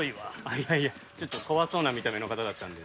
いやいやちょっと怖そうな見た目の方だったんで。